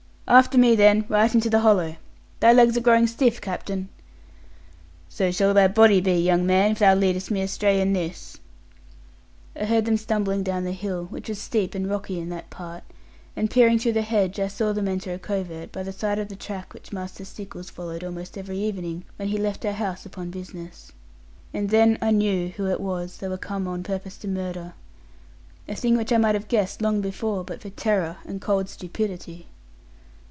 'After me then, right into the hollow; thy legs are growing stiff, captain.' 'So shall thy body be, young man, if thou leadest me astray in this.' I heard them stumbling down the hill, which was steep and rocky in that part; and peering through the hedge, I saw them enter a covert, by the side of the track which Master Stickles followed, almost every evening, when he left our house upon business. And then I knew who it was they were come on purpose to murder a thing which I might have guessed long before, but for terror and cold stupidity.